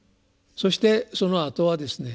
そしてそのあとはですね